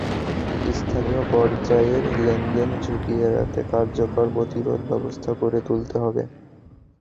স্থানীয় পর্যায়ের লেনদেনে ঝুঁকি এড়াতে কার্যকর প্রতিরোধ ব্যবস্থা গড়ে তুলতে হবে।